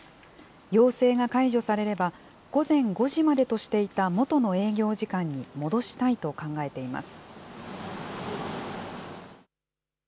要請が解除されれば、午前５時までとしていた元の営業時間に戻したいと考えています。